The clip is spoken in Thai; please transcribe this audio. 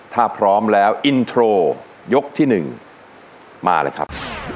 ถ้าพร้อมแล้วอินโทรยกที่๑มาเลยครับ